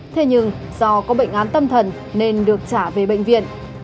thế nhưng do có bệnh án tâm thần nên được trả về bệnh viện